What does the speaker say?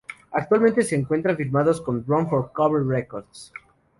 Actualmente se encuentran firmados con Run For Cover Records.